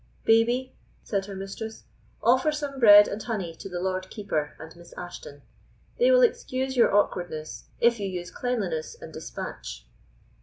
"Babie," said her mistress, "offer some bread and honey to the Lord Keeper and Miss Ashton; they will excuse your awkwardness if you use cleanliness and despatch."